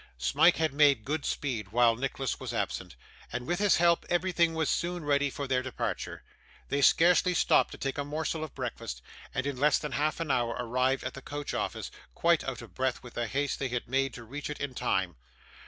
Smike had made good speed while Nicholas was absent, and with his help everything was soon ready for their departure. They scarcely stopped to take a morsel of breakfast, and in less than half an hour arrived at the coach office: quite out of breath with the haste they had made to reach it in time.